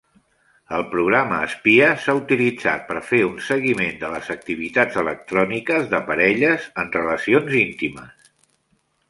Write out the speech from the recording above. El programari espia s'ha utilitzat per fer un seguiment de les activitats electròniques de parelles en relacions intimes.